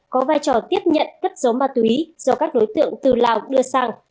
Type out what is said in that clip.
có vai trò tiếp nhận cất giống ma túy do các đối tượng từ lào đưa sang